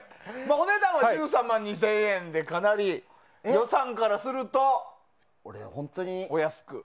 お値段は１３万２０００円でかなり予算からするとお安く。